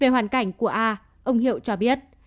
về hoàn cảnh của a ông hiệu cho biết